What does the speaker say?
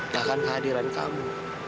bahkan kehadiran kamu